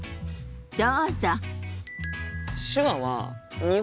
どうぞ。